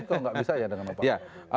kalau nggak bisa ya dengan pak perwo